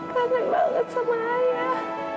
kangen banget sama ayah